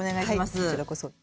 はいこちらこそ。